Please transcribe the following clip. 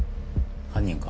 犯人か？